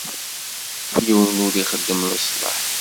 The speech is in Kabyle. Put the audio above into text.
Yiwen ur ixeddem leṣlaḥ.